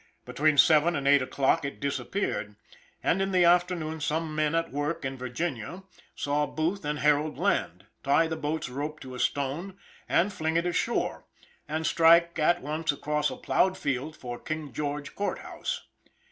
Between seven and eight o'clock it disappeared, and in the afternoon some men at work in Virginia, saw Booth and Harold land, tie the boat's rope to a stone, and fling it ashore, and strike at once across a ploughed field for King George Court House.